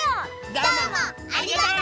どうもありがとう！